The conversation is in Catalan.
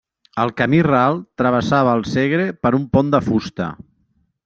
El camí ral travessava el Segre per un pont de fusta.